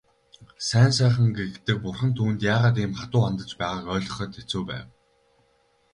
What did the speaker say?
Сайн сайхан гэгддэг бурхан түүнд яагаад ийм хатуу хандаж байгааг ойлгоход хэцүү байв.